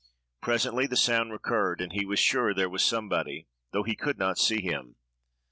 Presently, the sound recurred, and he was sure there was somebody, though he could not see him.